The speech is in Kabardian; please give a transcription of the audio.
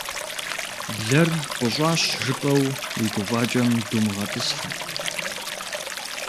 Блэр «пӀыщӀащ» жыпӀэу уи гуфӀакӀэм думыгъэтӀысхьэ.